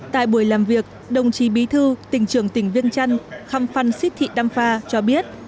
tại buổi làm việc đồng chí bí thư tỉnh trường tỉnh viên trăn khăm phăn xít thị đam phà cho biết